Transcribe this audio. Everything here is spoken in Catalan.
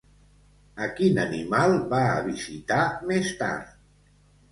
A quin animal va a visitar més tard?